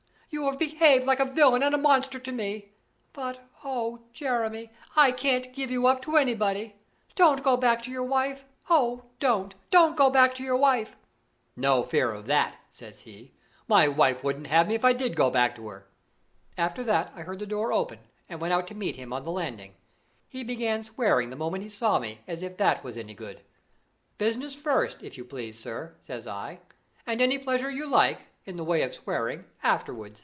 'You have behaved like a villain and a monster to me but oh, Jemmy, I can't give you up to anybody! Don't go back to your wife! Oh, don't, don't go back to your wife!' 'No fear of that,' says he. 'My wife wouldn't have me if I did go back to her.' After that I heard the door open, and went out to meet him on the landing. He began swearing the moment he saw me, as if that was any good. 'Business first, if you please, sir,' says I, 'and any pleasure you like, in the way of swearing, afterward.